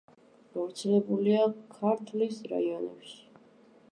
გავრცელებულია ქართლის რაიონებში.